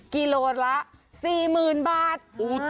กิโลกรัมละ๔๐๐๐๐บาท